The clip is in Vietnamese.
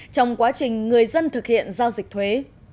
trong quá trình người dân thực hiện giao dịch thuế